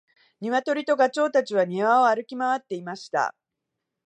ニワトリとガチョウたちは庭を歩き回っていました。